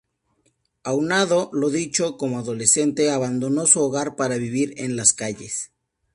Aunado lo dicho, como adolescente abandonó su hogar para vivir en las calles.